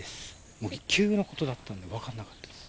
もう急なことだったので、分からなかったです。